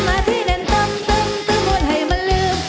มันให้มันลืม